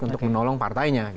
untuk menolong partainya